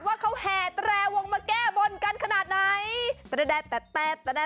ว่าเขาแห่แตรวงมาแก้บนกันขนาดไหน